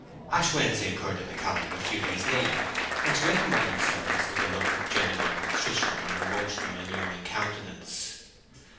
Ash Wednesday occurred in the calendar a few days later, and she went to morning service with a look of genuine contrition on her emotional and yearning countenance.